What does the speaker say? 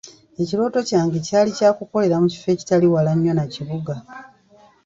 Ekirooto kyange kyali kya kukolera mu kifo ekitali wala nnyo na kibuga.